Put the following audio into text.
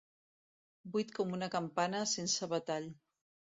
Buit com una campana sense batall.